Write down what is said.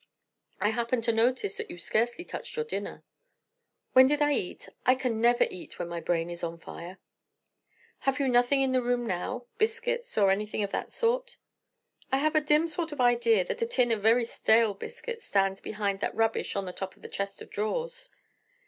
I happened to notice that you scarcely touched your dinner." "When did I eat? I can never eat when my brain is on fire." "Have you nothing in the room now—biscuits, or anything of that sort?" "I have a dim sort of idea that a tin of very stale biscuits stands behind that rubbish on the top of the chest of drawers."